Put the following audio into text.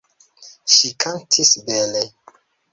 Ŝi kantis bele.